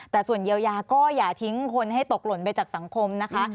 แต่ส่วนเยียวยาก็อย่าทิ้งคนให้ตกหล่นไปจากสังคมนะคะ